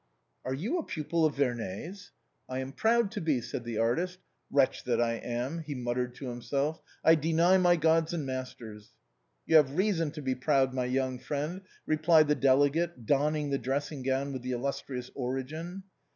" Are you a pupil of Vernet's ?"" I am proud to be," said the artist. " Wretch that I am !" he muttered to himself, " I deny my gods and mas ters !"" You have reason to be proud, my young friend," replied the delegate donning the dressing gown with the illustrious origin.